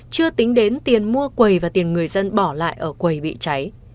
chưa tính đến tiền mua quầy và tiền người dân bỏ lại ở quầy bị cháy